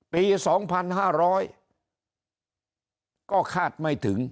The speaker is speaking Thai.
ปีสองพันห้าร้อยก็คาดไม่ถึง